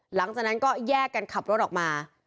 หลังจากนั้นก็แยกกันขับรถออกมา